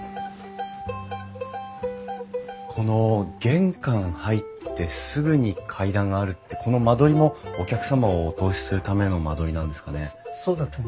この玄関入ってすぐに階段があるってこの間取りもお客様をお通しするための間取りなんですかね？